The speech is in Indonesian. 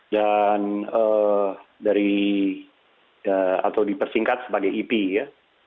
dan dari atau dipersingkat sebagai ipi ya